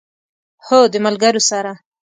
هو، د ملګرو سره